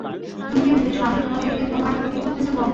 তুমি কি ভেবেছ আমি তাদেরকে তোমার ক্ষতি করতে দেব?